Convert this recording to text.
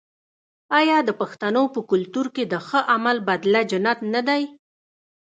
آیا د پښتنو په کلتور کې د ښه عمل بدله جنت نه دی؟